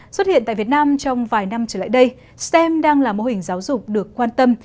xuất hiện tại việt nam trong vài năm trở lại đây stem đang là mô hình giáo dục được quan tâm